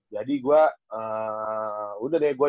jadi gua udah deh